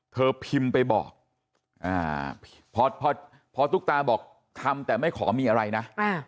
พิมพ์ไปบอกพอตุ๊กตาบอกทำแต่ไม่ขอมีอะไรนะ